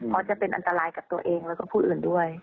เพราะจะเป็นอันตรายกับตัวเองแล้วก็ผู้อื่นด้วย